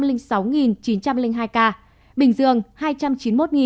bình dương hai trăm chín mươi một hai trăm bảy mươi ca